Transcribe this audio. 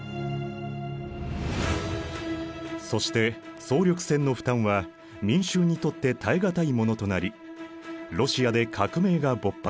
そして総力戦の負担は民衆にとって耐え難いものとなりロシアで革命が勃発。